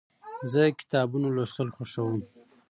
زه کتابونه لوستل خوښوم.